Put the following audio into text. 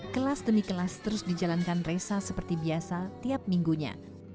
kelas demi kelas terus dijalankan resa seperti biasa tiap minggunya